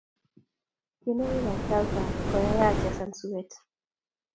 tienwokik ap salsa koyaya achesan suet